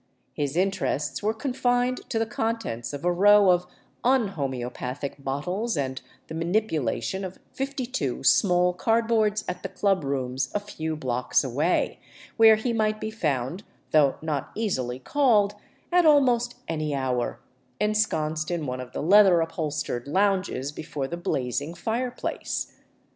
His interests were confined to the contents of a row of unhomeopathic bottles and the manipulation of fifty two small cardboards at the club rooms a few blocks away, where he might be found — though not easily called — at almost any hour, ensconced in one of the leather upholstered lounges before the blazing fire place.